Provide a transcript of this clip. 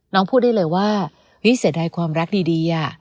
น้องพูดได้เลยว่าเฮ้ยเสียดายความรักดีดีอ่ะ